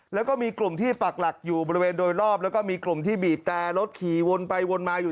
แล้วก็มีกลุ่มที่ปักหลักอยู่บริเวณโดยรอบแล้วก็มีกลุ่มที่บีบแต่รถขี่วนไปวนมาอยู่